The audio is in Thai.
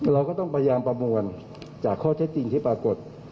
เราก็ต้องพยายามประมวลจากข้อเท็จจริงที่ปรากฏ